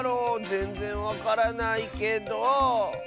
ぜんぜんわからないけど。